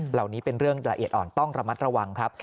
เหล่านี้เป็นเรื่องละเอียดอ่อนต้องระมัดระวังครับ